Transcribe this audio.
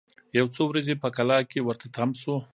یو څو ورځي په کلا کي ورته تم سو